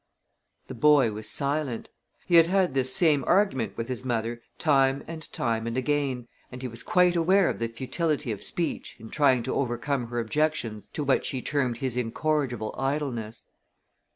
The boy was silent. He had had this same argument with his mother time and time and again, and he was quite aware of the futility of speech in trying to overcome her objections to what she termed his incorrigible idleness.